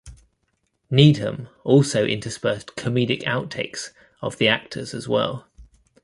Needham also interspersed comedic outtakes of the actors as well.